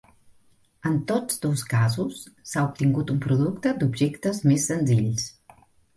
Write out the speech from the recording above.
En tots dos casos, s'ha obtingut un producte d'objectes més senzills.